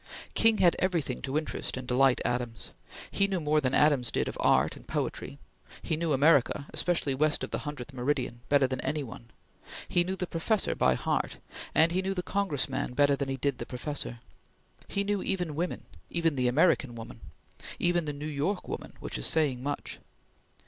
King had everything to interest and delight Adams. He knew more than Adams did of art and poetry; he knew America, especially west of the hundredth meridian, better than any one; he knew the professor by heart, and he knew the Congressman better than he did the professor. He knew even women; even the American woman; even the New York woman, which is saying much.